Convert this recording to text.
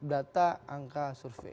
data angka survei